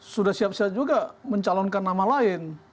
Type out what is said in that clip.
sudah siap siap juga mencalonkan nama lain